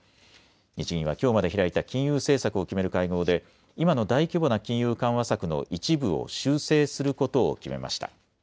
日銀は、きょうまで開いた金融政策を決める会合で今の大規模な金融緩和策の一部を修正することを決めました。